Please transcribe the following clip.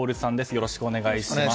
よろしくお願いします。